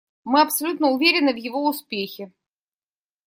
Мы абсолютно уверены в его успехе.